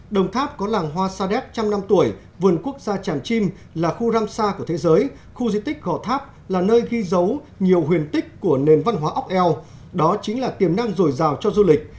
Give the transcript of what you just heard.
đông tháp có làng hoa sa đét trăm năm tuổi vườn quốc gia tràm chim là khu răm xa của thế giới khu di tích gò tháp là nơi ghi dấu nhiều huyền tích của nền văn hóa ốc eo đó chính là tiềm năng dồi dào cho du lịch